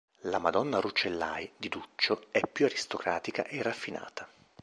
La Madonna Rucellai di Duccio è più aristocratica e raffinata.